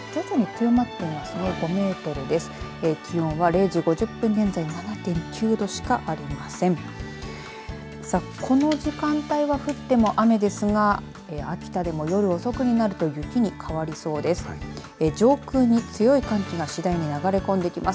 さあ、この時間帯は降っても雨ですが秋田でも夜遅くになると雪に変わりそうです。